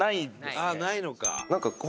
ああないのか。